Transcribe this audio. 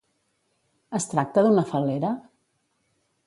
Es tracta d'una fal·lera?